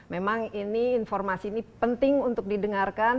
memang ini informasi ini penting untuk didengarkan